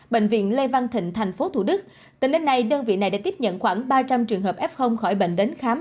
bệnh viện lê văn thịnh thành phố thủ đức tỉnh lên nay đơn vị này đã tiếp nhận khoảng ba trăm linh trường hợp f khỏi bệnh đến khám